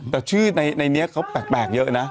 แบบชื่อในเนี้ยเค้าแปลกแปลกเยอะนะ